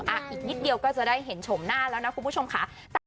อีกนิดเดียวก็จะได้เห็นชมหน้าแล้วนะคุณผู้ชมค่ะ